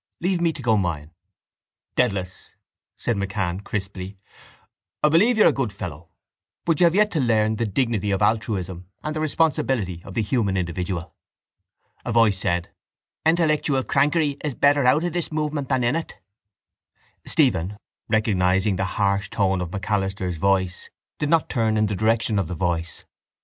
Leave me to go mine. —Dedalus, said MacCann crisply, I believe you're a good fellow but you have yet to learn the dignity of altruism and the responsibility of the human individual. A voice said: —Intellectual crankery is better out of this movement than in it. Stephen, recognising the harsh tone of MacAlister's voice, did not turn in the direction of the voice.